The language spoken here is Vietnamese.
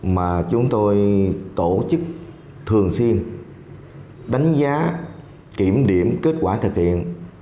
mà chúng tôi tổ chức thường xuyên đánh giá kiểm điểm kết quả thực hiện